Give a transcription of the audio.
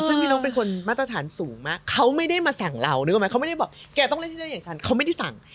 ซึ่งพี่นกเป็นคนมาตรฐานสูงมากเขาไม่ได้มาสั่งเรานึกออกไหมเขาไม่ได้บอกแกต้องเล่นที่นั่นอย่างฉันเขาไม่ได้สั่ง